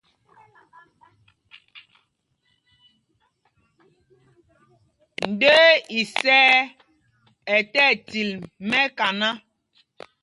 Ndəə isɛɛ ɛ tí ɛtil mɛkaná.